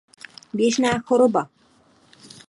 Běžná choroba.